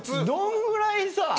どんぐらいさ。